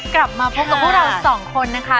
กลับมาพบกับพวกเราสองคนนะคะ